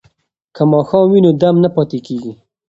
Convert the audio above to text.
که ماښام وي نو دم نه پاتې کیږي.